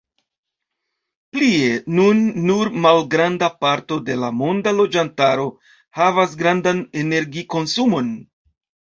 Plie, nun nur malgranda parto de la monda loĝantaro havas grandan energikonsumon.